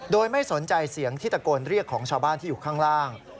โดยไม่สนใจเสียงที่ตะโกนเรียกของชาวบ้านที่อยู่ข้างล่าง